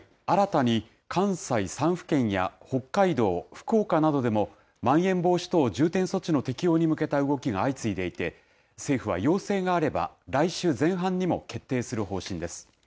新たに関西３府県や、北海道、福岡などでも、まん延防止等重点措置の適用に向けた動きが相次いでいて、政府は要請があれば来週前半にも決定する方針です。